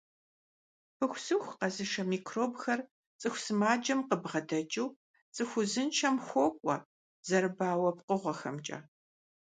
Пыхусыху къэзышэ микробхэр цӀыху сымаджэм къыбгъэдэкӀыу цӀыху узыншэм хуокӀуэ зэрыбауэ пкъыгъуэхэмкӀэ.